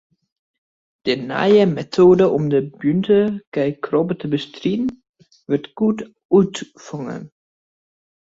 De nije metoade om de bûnte kjifkrobbe te bestriden, wurdt goed ûntfongen.